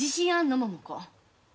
桃子